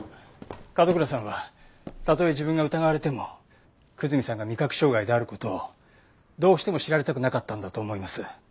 角倉さんはたとえ自分が疑われても久住さんが味覚障害である事をどうしても知られたくなかったんだと思います。